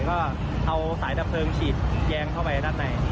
ก็เอาสายดับเพลิงฉีดแยงเข้าไปด้านใน